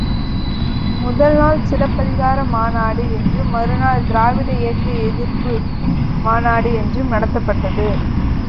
முதல் நாள் சிலப்பதிகார மாநாடு என்றும் மறுநாள் திராவிட இயக்க எதிர்ப்பு மாநாடு என்றும் நடத்தப்பட்டது.